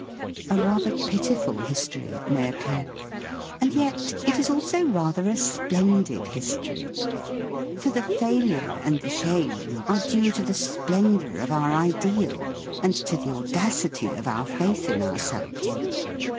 A rather pitiful history it may appear! And yet it is also rather a splendid history! For the failure and the shame are due to the splendour of our ideal and to the audacity of our faith in ourselves.